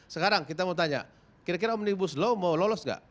sekarang kita mau tanya kira kira omnibus law mau lolos nggak